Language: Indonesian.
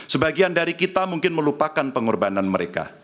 sebagian dari kita mungkin melupakan pengorbanan mereka